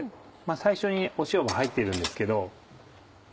最初に塩も入ってるんですけど。